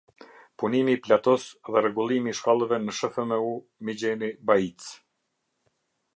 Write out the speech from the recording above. Punimi i platos dhe rregullimi i shkallëve në shfmu migjeni-baicë